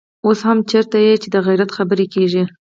اوس هم چېرته چې د غيرت خبره کېږي.